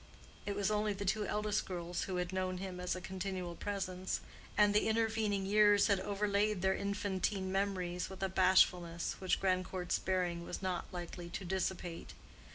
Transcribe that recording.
It was only the two eldest girls who had known him as a continual presence; and the intervening years had overlaid their infantine memories with a bashfulness which Grandcourt's bearing was not likely to dissipate.